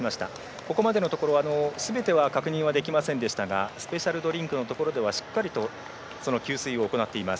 ここまでのところではすべては確認ができませんでしたがスペシャルドリンクのところではしっかりと給水を行っています。